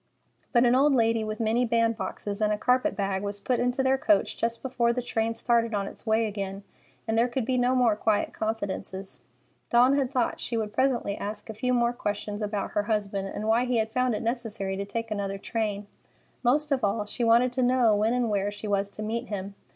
But an old lady with many bandboxes and a carpet bag was put into their coach just before the train started on its way again, and there could be no more quiet confidences. Dawn had thought she would presently ask a few more questions about her husband, and why he had found it necessary to take another train. Most of all, she wanted to know when and where she was to meet him.